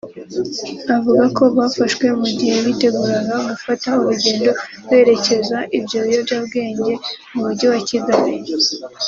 avuga ko bafashwe mugihe biteguraga gufata urugendo berekeza ibyo biyobwabwenge mu mujyi wa Kigali